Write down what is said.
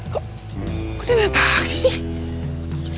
kok udah naik taksi sih